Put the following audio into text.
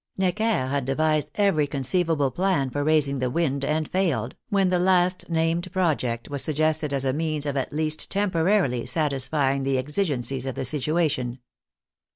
Necker had devised every conceiv 24 THE NEW CONSTITUTION 25 able plan for raising the wind and failed, when the last named project was suggested as a means of at least tempo rarily satisfying the exigencies of the situation.